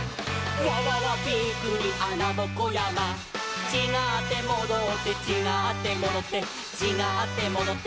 「わわわびっくりあなぼこやま」「ちがってもどって」「ちがってもどってちがってもどって」